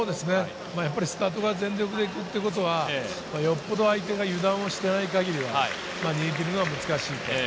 スタートは全力でいくってことはよっぽど相手が油断をしていない限りは、逃げ切るは難しい。